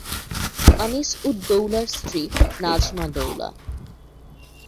আনিস উদ দৌলার স্ত্রী নাজমা দৌলা।